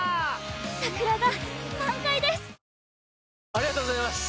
ありがとうございます！